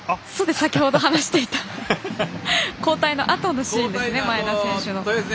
先ほど話していた交代のあとのシーンですね